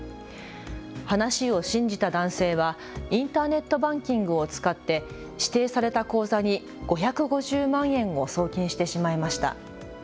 話を信じた男性はインターネットバンキングを使って、指定された口座に５５０万円を送金してしまいました。